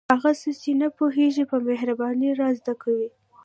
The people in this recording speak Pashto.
هغه څه چې نه پوهیږو په مهربانۍ را زده کوي.